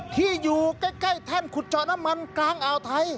ที่อยู่ใกล้แท่นขุดเจาะน้ำมันกลางอ่าวไทย